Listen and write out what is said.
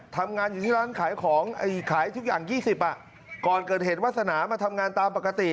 ทำงานอยู่ที่ร้านขายของขายทุกอย่าง๒๐อ่ะก่อนเกิดเหตุวาสนามาทำงานตามปกติ